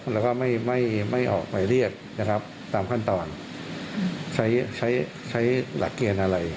แล้วก็ไม่ออกหมายเรียกนะครับตามขั้นตอนใช้หลักเกณฑ์อะไร